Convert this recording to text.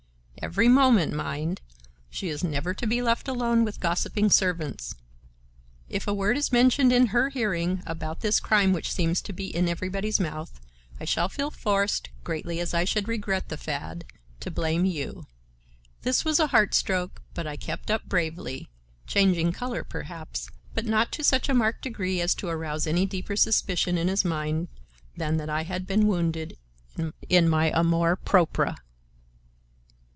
Every moment, mind. She is never to be left alone with gossiping servants. If a word is mentioned in her hearing about this crime which seems to be in everybody's mouth, I shall feel forced, greatly as I should regret the fad, to blame you." This was a heart stroke, but I kept up bravely, changing color perhaps, but not to such a marked degree as to arouse any deeper suspicion in his mind than that I had been wounded in my amour propre.